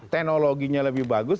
teknologinya lebih bagus